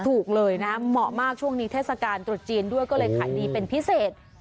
ถูกเลยนะเหมาะมากช่วงนี้เทศกาลตรุษจีนด้วยก็เลยขายดีเป็นพิเศษ